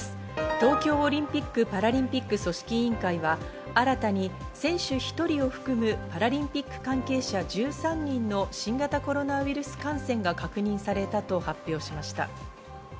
東京オリンピック・パラリンピック組織委員会が新たに選手１人を含む、パラリンピック関係者１３人の新型コロナウイルス感染が確認されたと発表しました。